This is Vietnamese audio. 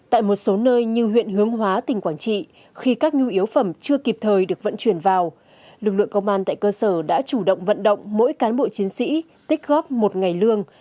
tại một số nơi như huyện hướng hóa tỉnh quảng trị khi các nhu yếu phẩm chưa kịp thời được vận động mỗi cán bộ chiến sĩ tích góp một ngày lương